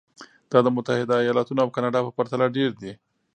دا د متحده ایالتونو او کاناډا په پرتله ډېر دي.